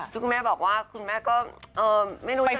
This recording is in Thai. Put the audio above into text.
คุณแม่บอกว่าคุณแม่ก็ไม่รู้จะไง